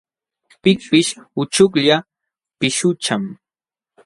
Pikpish uchuklla pishqucham.